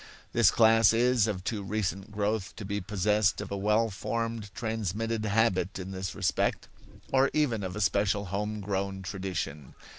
This class is of too recent growth to be possessed of a well formed transmitted habit in this respect, or even of a special home grown tradition.